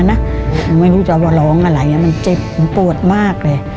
มันไม่รู้จักว่าลองอะไรมันเจ็บมันโปรดมากเลย